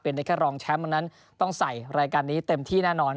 เป็นได้แค่รองแชมป์ดังนั้นต้องใส่รายการนี้เต็มที่แน่นอน